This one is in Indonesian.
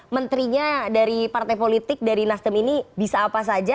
menterinya dari partai politik dari nasdem ini bisa apa saja